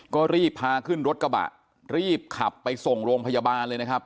ก็รีบพาขึ้นรถกระบะรีบขับไปส่งโรงพยาบาลเลยนะครับ